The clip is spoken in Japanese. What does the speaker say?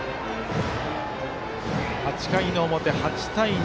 ８回の表、８対２。